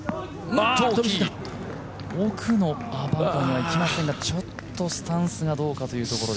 奥の方にはいきませんがちょっとスタンスがどうかというところ。